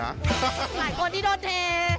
หลายคนที่โดนเท